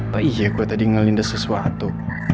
pak iya gue tadi ngelindas sesuatu